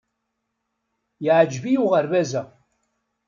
Yeɛjeb-iyi uɣerbaz-a.